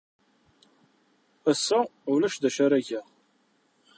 Ass-a, ulac d acu ara geɣ.